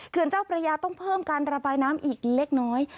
เจ้าประยาต้องเพิ่มการระบายน้ำอีกเล็กน้อย